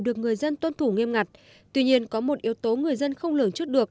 được người dân tuân thủ nghiêm ngặt tuy nhiên có một yếu tố người dân không lường trước được